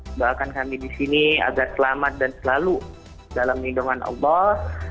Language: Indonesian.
mendoakan kami di sini agar selamat dan selalu dalam minuman obat